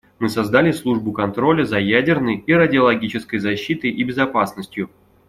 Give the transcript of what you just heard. Мы создали службу контроля за ядерной и радиологической защитой и безопасностью.